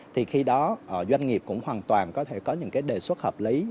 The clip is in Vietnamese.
thì khi đó doanh nghiệp cũng hoàn toàn có thể có những đề xuất hợp lý